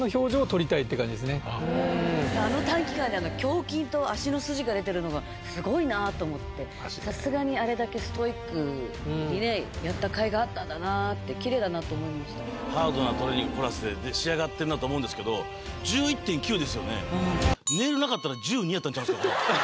あの短期間でさすがにあれだけストイックにねやったかいがあったんだなぁってきれいだなと思いましたハードなトレーニングプラスで仕上がってるなと思うんですけど１１．９ですよね？